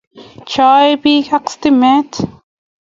Chei Bek ak stimet